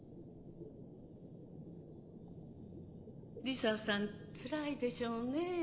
リサさんつらいでしょうねぇ。